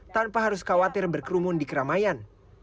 tanpa harus khawatir berkerumun di keramaian